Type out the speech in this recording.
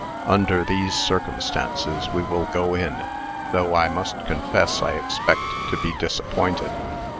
"Under these circumstances we will go in, though I must confess I expect to be disappointed.